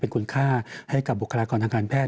คุณค่าให้กับบุคลากรทางการแพท